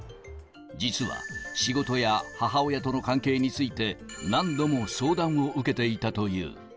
実は、仕事や母親との関係について、何度も相談を受けていたという。